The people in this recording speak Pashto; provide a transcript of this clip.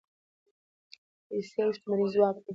پیسې او شتمني ځواک دی.